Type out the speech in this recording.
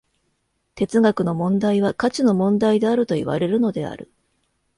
哲学の問題は価値の問題であるといわれるのである。